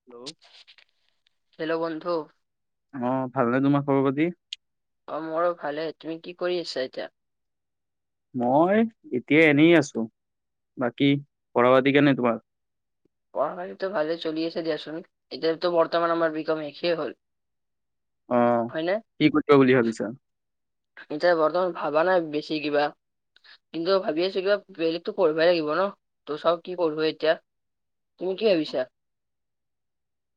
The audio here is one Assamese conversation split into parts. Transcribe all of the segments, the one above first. হেল্ল' হেল্ল' বন্ধু অ ভালনেে তোমাৰ খবৰ পাতি অ মোৰো ভালে তুমি কি কৰি আছা এতিয়া মই এতিয়া এনেই আছো বাকী পঢ়াবদিিকনোই তোমাৰ পঢ়শ়িতটোো ভালে চলি আছে দেিয়াচোন এতিতো বৰ্তমান আমাৰ বিকম একখেই হল অ হয়নে কি কৰিব বুলি ভাবিছা এতিয়া বৰ্তমান ভাবা নাই বেছি কিবা কিন্তু ভাবি আছো কিবা বলেতো পঢ়ই লাগিব ন তোৰ চও কি কৰ এতিয়া তুমি কি ভাবিছা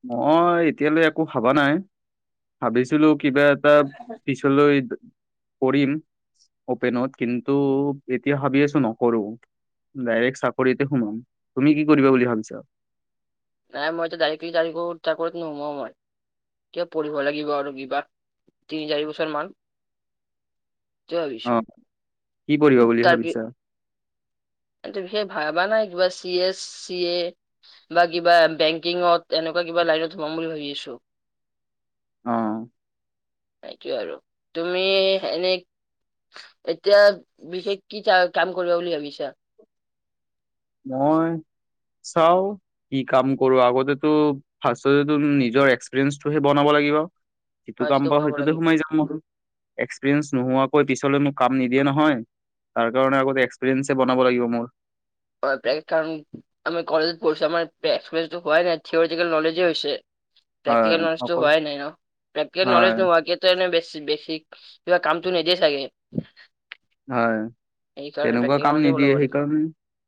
মই এতিয়ালৈ একো ভাবা নাই ভাবিছিলো কিবা এটা পিছলৈ কৰিম অপেনত কিন্তু এতিয়া ভাবি আছো নকৰো ডাইৰেক্ট চাকৰিতে সুমাম তুমি কি কৰিবা বুলি ভাবিছা নাই মইতিয়া ডাইৰেক্টলি তাৰিখঠাক কৰিত নোমাও মই কিয় পঢ়িব লাগিব আৰু কিবা তিনি চাৰি বছৰ মান সেইটোৱে অ ভাবিছো কি পঢ় বুলি ভাবিছা সটো বিশেষ ভাবা নাই কিবা চি এছ চি এ বা কিবা বেংকিঙত এনেকুৱা বা কিবা লাইনত সোমাম বুলি ভাবি আছো আহ সেই আৰু তুমি এনে এতিয়া বিশেষ কি কাম কৰিব বুলি ভাবিছা নহয় চাও কি কাম কৰো আগতেতো ফাৰ্ষ নিজৰ এক্সপিৰিয়েন্ঞ্চটোহে বনাব লাগ। লিব যিটো কাম সমাজটো পাওঁ বনাব সেইটোতে লাগিব সোমাই যাম মল। এক্সপিৰিয়েঞ্চ নোহোৱাকৈ পিছলৈ মোক কাম নিদিয়ে নহয়। তাৰ কাৰণে আগতে এক্সপিৰিয়েঞ্চে বনাব লাগিব মোৰ। কাৰণ আি কলেজত পঢ়ছো আাৰ এক্স হয় নাই থিয়টিকেল নলেজে হৈছে। প্ৰেটিকেল হয় নলেজো অকল হোৱাই নাই ন প্ৰেটিকেল হয় নলেজ নোহোৱাকনে বেি বেছিক। কিব কামটোু নেদেই চাগে। হয় সেইকাৰণে তেনেকুৱা প্ৰেক্টিকেল কাম নলেজে নিদিয়ে ওলাব লাগিব সেইকাৰণে।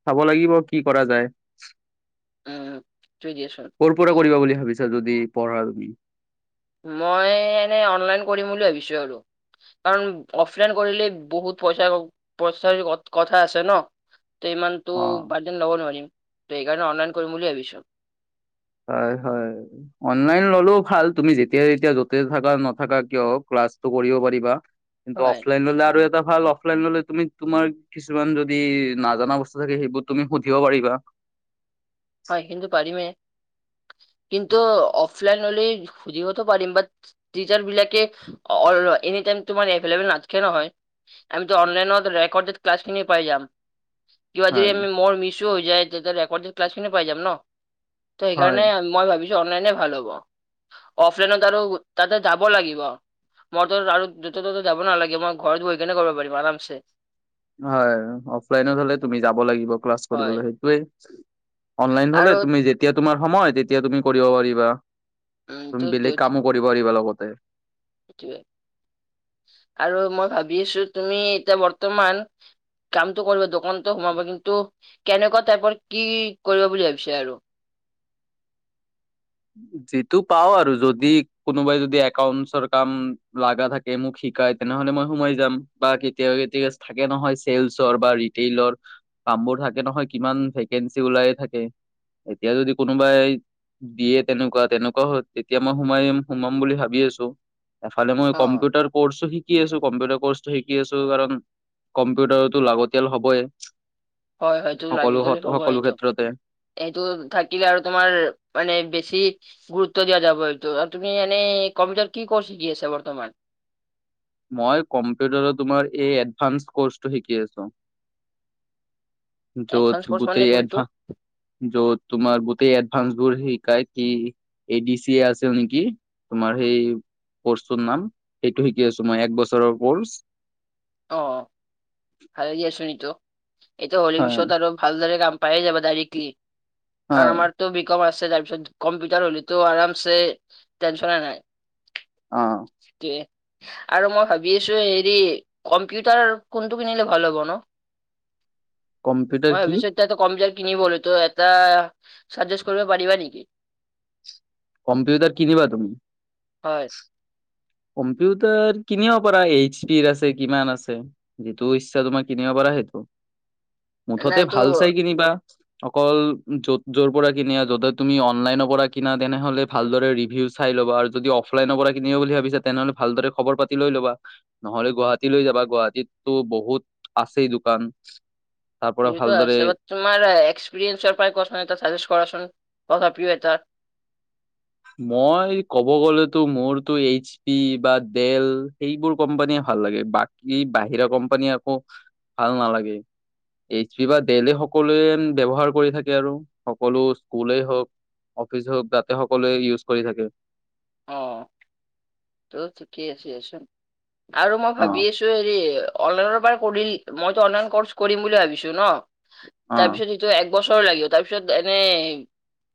চাব লাগিব কি কৰা যায় উম থিকেই দিয়াচোন কৰ পৰা কৰিব বুলি ভাবিছো। যদি পঢ়া তুমি। মই এনে অনলাইন কৰিম বুলি ভাবিছো আৰু। কাৰণ অফলাইন কৰিলে বহুত পইচা পইচাৰ কথা আছে ন। ত ইমানতটো অ বাৰদিন ল'ব নোৱাৰিম ত সেইকাৰণে অনলাইন কৰিম বুলি ভাবিছো। হয় হয় অনলাইন ললেও ভাল তুমি যেতিয়াাই যেতিয়া যতে থাককা নথাককা কিয়। । হয় [inaudible] ভাল অফলাইন ললে তুমি তোমাৰ কিছুমান যদি নাজানা বস্তু থাকে সেইবোৰ তুমি সুধিব পাৰিবা। । হয় কিন্তু পাৰিমেই। । কিন্তু অফলাইন হলে সুধিিব পিম বা টচাৰ বিলাকে এনে। মাৰ ন নহ হয় আ অনলাইনতডড ক্ল খিন পাই যাম। কিবা যদি হয় আমি মোৰ মিছো হৈ যায় তেতিয়া ৰেকৰ্ড ক্লাছ খিনি পাই যাম ন। ত হয় সেইকাৰণে মই ভাবিছো অনলাইনে ভাল হ'ব। অফলাইনত আৰু তাতে যাব লাগিব। মই ত আৰু দুত ত'ত যাব নালাগে মই ঘৰত বহ কেনে কৰিব পাৰিম আৰামছে। হয় অফলাইনত হলে তুমি যাব লাগিব ক্লাছ হয় কৰিবলৈ সেইটোোৱেই। অনলাইন হলে আৰু তুমি যেতিয়া তোমাৰ সময় তেতিয়া তুমি কৰিব পাৰিবা। উম তুমি বেলেগ কামো কৰিব পিবা লগতে। ে আৰু মই ভাবি আছো তুমি এতিয়া বৰ্তমান। কামটো কৰিব দোকানতো সোমাব কিন্তু কেনেকুৱা টাইপৰ কি কৰিব বুলি ভাবিছে আৰু। । যিটো পাও আৰু যদি কোনোবাই যদি একাউন্টছৰ কাম লগা থাকে মোক শিক। নেহলে মই সোমাই যাম বা কেতিয় কে থাকে নহয় চল বা ল। । তেনেকুৱা তেনেকুৱা হ তেতিয়া মই সোমাইম সোমাম বুলি ভাবি আছো। এফালে মই অ ক্পিউটাৰ কৰ্চো শিকি আছো কম্পিউটাৰ কৰ্। শিকি আছো কাৰণ কম্পিউটাৰতো লাগতিয়াল হবই। হয় সটো সকলো লাগিব বুলি সত- কব সকলো সেইটো। ক্ষেত্ৰতে এইটো থাকিলে আৰু তোমাৰ মানে বেছি। গুৰুত্ব দিয়া যাব তুমি এনে কম্পিউটাৰ কি ক'ৰ্ শিিকি আছা বৰ্তমান। মই কম্পিউটাৰৰ তোমাৰ এই এডভানস ক'ৰ্চটো শিকি আছোঁ। এডভান্স য'ত কৰ্চ মানে গোটেইডভ কোনটো য'ত তোমাৰ গোটেই এডভানস। দৰ শিকাই কি এই ডি চি এ আছে নেকি তোমাৰ সেই। কৰ্চ নাম সেইটো শিকি আছো মই এক বছৰৰ ক'ৰ্চ। অ ভাল দিয়ছুনিতো এইটো হলীৰ হয় বিিছত আৰু ভালদৰে কাম। প যে বিকি হয় কাৰণ আমাৰ ত বম আছে। তাৰপিছত কম্পিউটাৰ হ'লেতো আৰামছে টেনচনে নাই। অ। সেইটোৱে। আৰু মই ভাবি আছোঁ হেৰি কম্পিউটাৰ কোনটো কিনিলে ভাল হ'ব ন। কম্পিউটাৰ মই কি ভৱিষ্যত ত কম যায়। কিনিিবো তো এটা চেষ্ট কৰিব পাৰিবা নেকি কম্পিউটাৰ কিনিবা তুমি হয়, কম্পিউটাৰ কিনিব পাৰা এইচ পি আছে কিমান আছে যিটো ইচ্ছা তোমাৰ কিনিব পাৰা সেইটো মুঠতে নাই এইটো ভাল চাই কিনিবা। অকল য'ত যৰ পৰা কিনি য'তে তুমি অনলাইনৰ পৰা কিনা তেনেহলে ভালদৰে ৰিভিউ চাই ল'ব আৰু যদি অফলাইনৰ পৰা কিনিব বুলি ভাবিছে তেনেহ'লে ভালদৰে খবৰ পাতি লৈ ল'বা নহলে গুৱাহাটী লৈ যাবা গুৱাহাটীতো বহুত আছেই। ফ্ৰানস সেইটোতো আছে তোমাৰ এসৰিইঞ্চৰ পৰা কোৱাচোন এটা চাজেষ্ট কৰা চোন তথাপিও তাত। মই ক'ব গলেতো মোৰতো এইচ পি বা ডেল সেইবোৰ কোম্পানী ভাল - ভাল লাগে বাকী বাহিৰা কোম্পানী আকৌ ভাল নালাগে। এইচ পি বা ডলে সকলোৱে ব্যৱহাৰ কৰি থাকে আৰু সকলো স্কুল হওক অফিচ হওক যাতে সকলোৱে ইউজ কৰি থাকে। আহ ত শিকেই আছে আচো। আৰু মই অ ভাবি আছো হেৰি অনলাইনৰ পৰা কৰিল মইতো অনলাইন কৰ্চ কৰিম বুলি ভাবিছো ন। অ তাৰপিছত সটো একবছৰ লাগিব তাৰ পিছত এনে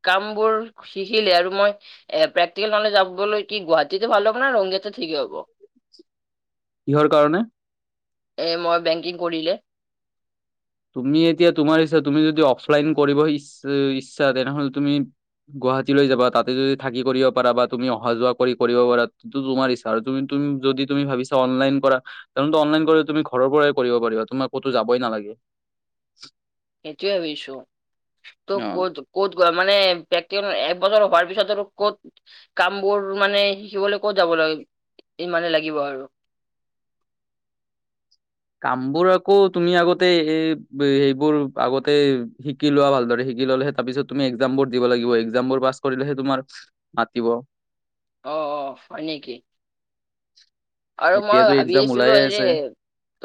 কাম বোৰ শিকিলে আৰু মই এ প্ৰেক্টিকেল নলেজ বলৈ কি গুৱাহাটীতে ভাল হব ন ৰঙিয়াতে ঠিক হব? কিহৰ কাৰণে? এ মই বেংকিং কৰিলে। তুমি এতিয়া তোমাৰ ইচ্ছা তুমি যদি অফলাইন কৰিব ই ইচ্ছা তেনেহ'লে তুমি গুৱাহাটীলৈ যাবা তাতে যদি থাকি কৰিব পাৰা বা তুমি অহা যোৱা কৰি কৰিব পাৰান্ত তোমাৰ ইচ্ছা আৰু তুমি তুমি যদি তুমি ভাবিছা অনলাইন কৰা তেনে ত অনলাইন কৰি তুমি ঘৰৰ পৰাই কৰিব পাৰিবা তোমাৰ ক'তো যাবই নালাগে। [unintelligible] সেইটোৱে ভাবিছোঁ, ত অ কত গৱা- মানে ব্যক্তি এক বছৰ হোৱাৰ পিছত আৰু ক'ত কাম বোৰ মানে শিকিবলৈ ক'ত যাব লাগিব? ই মানে লাগিব আৰু। [unintelligible] কাম বোৰ আকৌ তুমি আগতে এই হেইবোৰ আগতে শিকি লোৱা ভালদৰে শিক শিকি ললে হে তাৰপিছত তুমি এক্সাম বোৰ দিব লাগিব, এক্সাম বোৰ পাছ কৰিলেহে তোমাৰ মাতিব। আহ অ হয় নেকি। আৰু মই এতিয়াতো ভাবি এক্সাম আছিলো ওলাইে এই যে আছে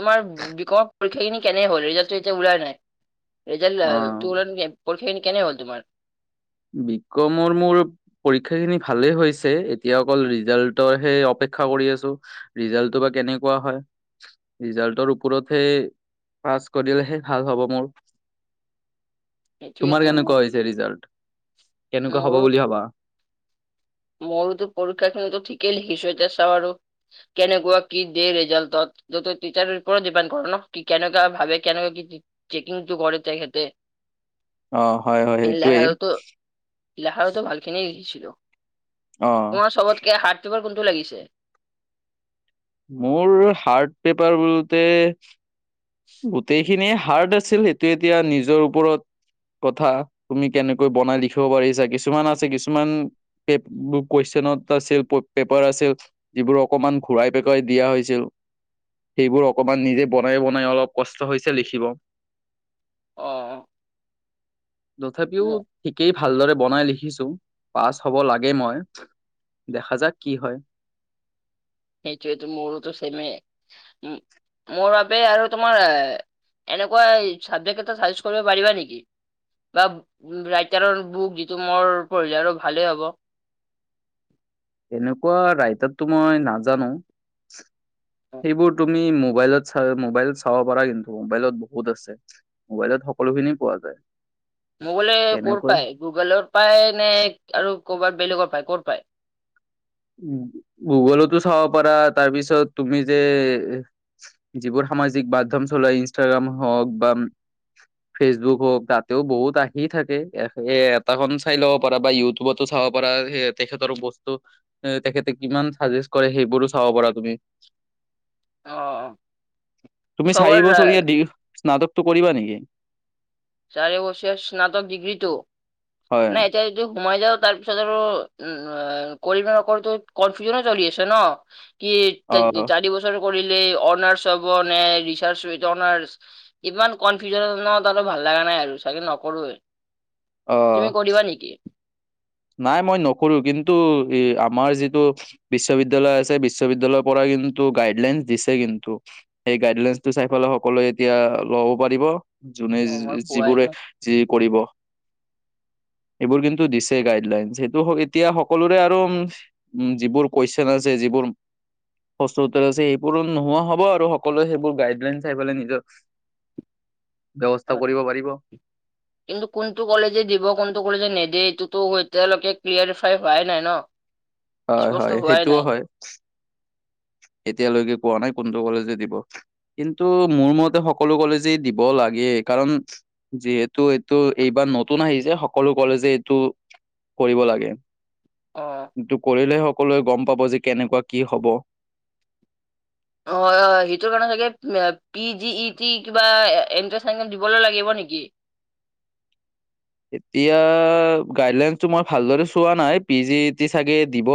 তোমাৰ বি কৰ পৰীক্ষা খিনি কেনে হ'ল ৰিজাল্টটো এতিয়া ওলাই নাই ৰিজাল্ট অ ত ওল কেনে হ'ল তোমাৰ? বিকমৰ মোৰ পৰীক্ষাখিনি ভালেই হৈছে এতিয়া অকল ৰিজাল্টৰে অপে অপেক্ষা কৰি আছো ৰিজাল্টটো বা কেনেকুৱা হয় ৰিজাল্টৰ ওপৰত হে পাছ কৰিলেহে ভাল হ'ব মোৰ। তোমাৰ সেইটোয়েতো কেনেকুৱা হৈছে ৰিজাল্ট কেনেকুৱা হব বুলি ভাবা? ময়োতো পৰীক্ষা খিনিতো ঠিকেই লিখিছো এতি চাওঁ আৰু কেনেকুৱা কি দিয় ৰেজাল্টত। টিচাৰৰ ওপৰত ডিপেণ্ড কৰে ন কি কেনেকা ভাবে কেনেকুৱা কি চেকিংটো কৰে তেখেতে। অ হয় হয় সেইটোৱেই। লাহাৰো ভাল খিনি লখিছিলো অ তোমাৰ শবতকে হাৰ প টো লাগিছে । মোৰ হাৰ্ড পেপাৰ বলোতে গোটেইখিনিয়ে হাৰ্ড আছিল সেইটো এতিয়া নিজৰ ওপৰত কথা তুমি কেনেকৈ বনাই লিখিব পাৰিছা কিছুমান আছে কিছুমান ব কৈছে আছিল পেপাৰ আছিল যিবোৰ অকমান ঘূৰাই পেকাই দিয়া হৈছিল। সেইবোৰ অকমান নিজে বনাই বনাই অলপ কষ্ট হৈছে লিখিব। অ তথাপিও ঠিকেই ভালদৰে বনাই লিখিছো পাছ হ'ব লাগে মই দেখা যাক কি হয়? [inaudible] সেইটোয়েটো মোৰোতো চেম এ উম্ মোৰ বাবে আৰু তোমাৰ এনেকুৱা চাবজেক্ট এটা চইজ কৰিব পাৰিবা নেকি বা ৰাইটাৰৰ বুক যিটো মোৰ পঢ়িলে আৰু ভালেই হ'ব [inaudible] এনেকুৱা ৰাইটাৰতো মই নাজানো সেইবোৰ তুমি মোবাইলত চ মোবাইলত চাব পাৰা কিন্তু মোবাইলত বহুত আছে মোবাইলত সকলোখিনি পোৱা যায় মোবাইলে ক'ত তেনেকুৱা পায় গুগলত পায় নে আৰু ক'ৰবাত বেলেগৰ পায় ক'ত পায় গুগলতো চাব পাৰা তাৰপিছত তুমি যে যিবোৰ সামাজিক মাধ্যম চলাই ইনষ্টাগ্ৰাম হওক বা ফেচবুক হওক তাতেও বহুত আহি থাকে এ এটা খন চাই ল'ব পাৰা বা ইউটিউবতো চাব চাব পাৰা তেখেতৰ বস্তু তেখেতে কিমান চাজেষ্ট কৰে সেইবোৰো চাব পাৰা তুমি অ তুমি চবৰ আহ, চাৰিবছৰীয়া দিগ স্নাতকটো কৰিবা নেকি চাৰে বছৰীয়া স্নাতক ডিগ্ৰীটো হয় ন এতিয়া যদি সোমাই যাওঁ তাৰপিছত আৰু উম কৰি ন নক তো কনফিউজনো চলি আছে ন কি অ চাৰি বছৰ কৰিলে অনাৰ্চ হব নে ৰিচাৰ্চ উইথ অনাৰ্ছ ইমান কনফিউজনত আৰু ভাল লগা নাই আৰু চাগে নকৰোৱে অ তুমি কৰিবা নেকি নাই মই নকৰো কিন্তু এ আমাৰ যিটো বিশ্ববিদ্যালয় আছে বিশ্ববিদ্য়ালয়ৰ পৰাই কিন্তু গাইডলাইন দিছে কিন্তু সেই গাইডলাইন টো চাই পেল সকলোৱে এতিয়া ল'ব পাৰিব যোনে অ মই পোৱাই যিবোৰে নাই যি কৰিব এইবোৰ কিন্তু দিছে গাইডলাইন সেইটো এতিয়া সকলোৰে আৰু উ যিবোৰ কুৱেচন আছে যিবোৰ সচ উতছে সেইবোৰো নোহোৱা হ'ব আৰু সকলোৱে সেইবোৰ গাইডলাইন চাই পেলাই নিজৰ [inaudible] ব্যৱস্থা কৰিব পাৰিব কিন্তু কোনটো কলেজে দিব কোনটো কলেজে নেদে এইটো তো এতিয়ালৈকে ক্লিয়াৰিফাই হোৱাই নাই ন হয় স্পষ্ট হয় হোৱাই সেইটোও নাই হয় এতিয়ালৈকে পোৱা নাই কোনটো কলেজে দিব কিন্তু মোৰ মতে সকলো কলেজেই দিব লাগে কাৰণ যিহেতু এইটো এইবাৰ নতুন আহিছে সকলো কলেজে এইটো কৰিব লাগে অ কিন্তু কৰিলে সকলোৱে গম পাব যে কেনেকুৱা কি হ'ব অ অ সেইটোৰ কাৰণে চাগে পি জি ই টি কিবা এণ্ট্ৰেন্স সেন্ত্ৰেঞ্চ দিবলৈ লাগিব ন নেকি [inaudible] এতিয়া গাইডলাইনটো মই ভালদৰে চোৱা নাই পি জি ই টি চাগে দিব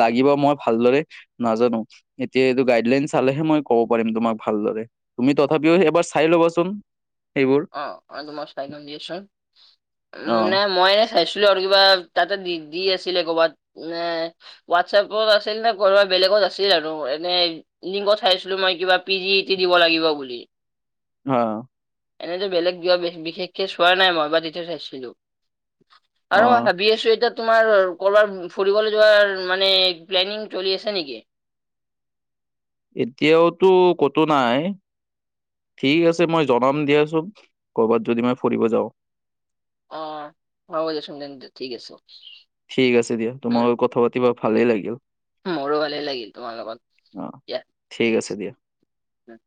লাগিব মই ভালদৰে নাজানো এতিয়া এইটো গাইডলাইন চালেহে মই ক'ব পাৰিম তোমাক ভালদৰে তুমি তথাপিও এবাৰ চাই ল'বাচোন সেইবোৰ অ অ মই চাই লম দিয়েচোন উ অ নে মই চাইছিলো আৰু কিবা তাতে দি দি আছিলে ক'বাত এ হোৱাটছএপত আছিল নে কৰ'বাত বেলেগত আছিল আৰু এনে লিংগত চাইছিলো মই কিবা পি জি ই টি দিব লাগিব বুলি অ এনেতো বেলেগ বিয়া বিশেষকে চোৱা নাই মই বা তেতিয়া চাইছিলো অ আৰু মই ভাবি আছো এতিয়া তোমাৰ কৰবাৰ ফুৰিবলৈ যোৱাৰ মানে প্লানিং চলি আছে নেকি এতিয়াওতো ক'তো নাই ঠিক আছে মই জনাম দিয়াচোন কৰ'বাত যদি মই ফুৰিব যাওঁ অ হ'ব যেচম ঠিক আছে ঠিক আছে দিয়া তোমাৰ উম, লগত কথা পাতিবা ভালেই লাগিল মোৰো ভালেই লাগিল তোমাৰ লগ লগত অ দিয়া ঠিক আছে দিয়া আছে